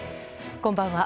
こんばんは。